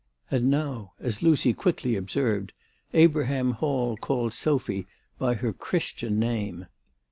And now, as' Lucy quickly observed, Abraham Hall called Sophy by her Christian name.